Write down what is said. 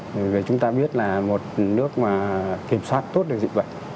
bởi vì chúng ta biết là một nước mà kiểm soát tốt được dịch bệnh